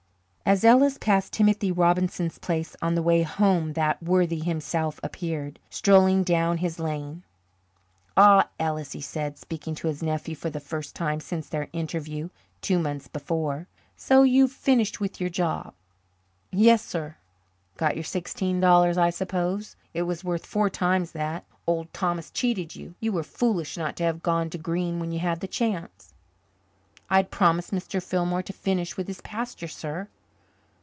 As Ellis passed Timothy Robinson's place on the way home that worthy himself appeared, strolling down his lane. "Ah, Ellis," he said, speaking to his nephew for the first time since their interview two months before, "so you've finished with your job?" "Yes, sir." "Got your sixteen dollars, I suppose? It was worth four times that. Old Tom cheated you. You were foolish not to have gone to Green when you had the chance." "I'd promised Mr. Fillmore to finish with his pasture, sir!"